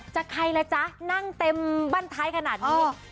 ใครล่ะจ๊ะนั่งเต็มบ้านท้ายขนาดนี้